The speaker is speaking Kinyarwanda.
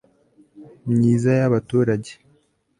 myiza y'abaturage